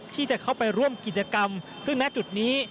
ที่จะเข้าไปร่วมกิจกรรมซึ่งณจุดนี้